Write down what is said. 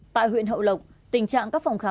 tại huyện hậu lộc tình trạng các phòng khám